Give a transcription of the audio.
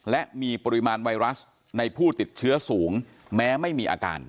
และมีปริมาณไวรัสในผู้ติดเชื้อสูงแม้ไม่มีอาการ